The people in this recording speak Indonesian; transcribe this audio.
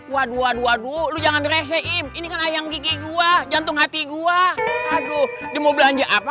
waduh waduh waduh lu jangan resein ini kan ayam gigi gua jantung hati gua aduh mau belanja apa